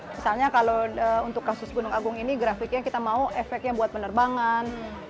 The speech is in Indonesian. misalnya kalau untuk kasus gunung agung ini grafiknya kita mau efeknya buat penerbangan